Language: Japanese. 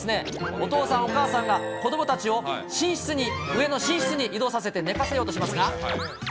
お父さん、お母さんが子どもたちを寝室に、上の寝室に移動させて寝かせようとしますが。